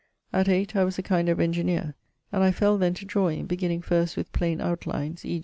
At 8, I was a kind of engineer; and I fell then to drawing, beginning first with plaine outlines, e.